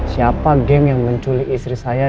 siapa geng yang menculik istri saya